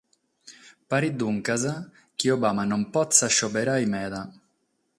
Paret, duncas, chi Obama non potzat seberare meda.